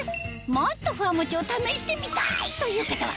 ＭｏｔｔｏＦｕｗａＭｏｃｈｉを試してみたいという方は